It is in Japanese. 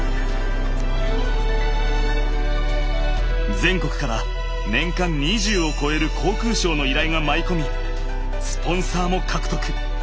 全国から年間２０を超える航空ショーの依頼が舞い込みスポンサーも獲得。